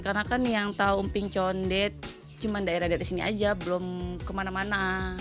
karena kan yang tahu emping condet cuma daerah dari sini saja belum kemana mana